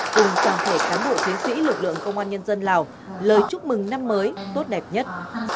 cùng toàn thể cán bộ chiến sĩ lực lượng công an nhân dân lào lời chúc mừng năm mới tốt đẹp nhất